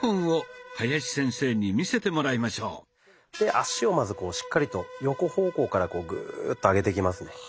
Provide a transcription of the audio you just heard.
脚をまずしっかりと横方向からグーッと上げていきますね。